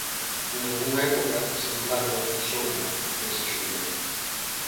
Nalgunha época, sen embargo, soubo, pensa Xulia.